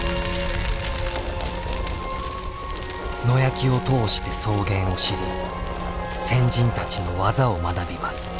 野焼きを通して草原を知り先人たちの技を学びます。